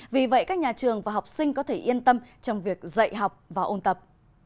vì vậy các nhà trường và học sinh có thể yên tâm trong việc dạy học và ôn tập